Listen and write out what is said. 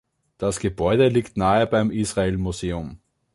Das Gebäude liegt nahe beim Israel-Museum.